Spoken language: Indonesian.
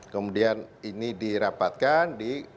kemudian ini dirapatkan